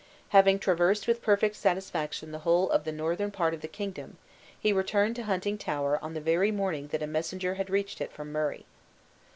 Having traversed with perfect satisfaction the whole of the northern part of the kingdom, he returned to Huntingtower on the very morning that a messenger had reached it from Murray.